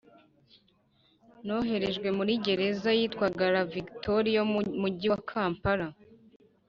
noherejwe muri gereza yitwaga La Victoria yo mu mugi wa kampala